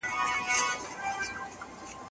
اوس هغه یوه شتمنه او پوهه ښځه ده.